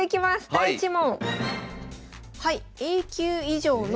第１問。